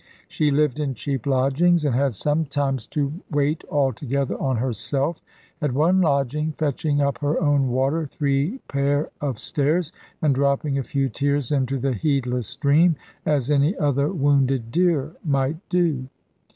She lived in cheap lodgings, and had sometimes to wait altogether on herself; at one lodging "fetching up her own water three pair of stairs, and dropping a few tears into the heedless stream, as any other wounded deer might do."